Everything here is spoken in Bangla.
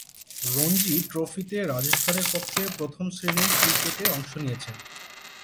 রঞ্জী ট্রফিতে রাজস্থানের পক্ষে প্রথম-শ্রেণীর ক্রিকেটে অংশ নিয়েছেন।